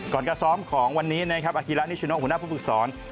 ก่อนกระซ้อมของวันนี้นะครับอาคีระนิชชูโน่หัวหน้าผู้ปรึกษร